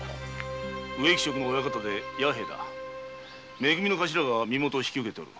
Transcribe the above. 「め組」のカシラが身元を引き受けている。